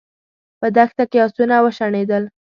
په دښته کې آسونه وشڼېدل.